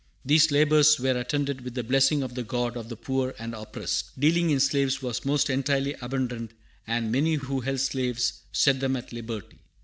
These labors were attended with the blessing of the God of the poor and oppressed. Dealing in slaves was almost entirely abandoned, and many who held slaves set them at liberty.